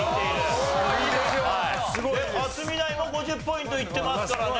克実ナインも５０ポイントいってますからね